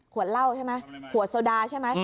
เหล้าใช่ไหมขวดโซดาใช่ไหม